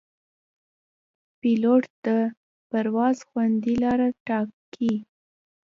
پیلوټ د پرواز خوندي لاره ټاکي.